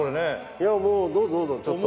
いやもうどうぞどうぞちょっと。